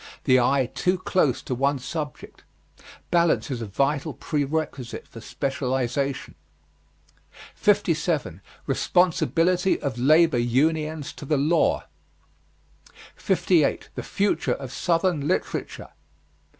The eye too close to one object. Balance is a vital prerequisite for specialization. 57. RESPONSIBILITY OF LABOR UNIONS TO THE LAW. 58. THE FUTURE OF SOUTHERN LITERATURE.